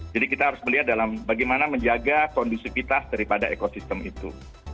kita harus melihat dalam bagaimana menjaga kondusivitas daripada ekosistem itu